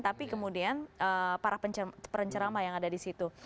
tapi kemudian para pencerama yang ada disitu